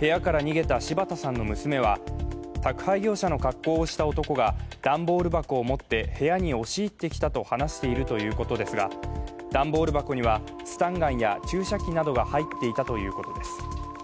部屋から逃げた柴田さんの娘は宅配業者の格好をした男が段ボール箱を持って部屋に押し入ってきたと話しているということですが段ボール箱にはスタンガンや注射器などが入っていたということです。